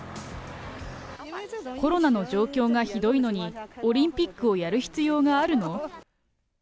コロナの状況がひどいのに、オリンピックをやる必要があるの？